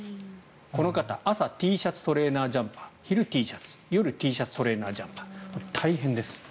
この方、朝、Ｔシャツトレーナー、ジャンパー昼、Ｔシャツ夜、Ｔシャツ、トレーナージャンパー大変です。